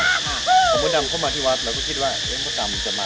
นี่ในโลกของชาพาที่เราน่าได้มาครั้งที่แล้วก็เลยได้พามดดำมา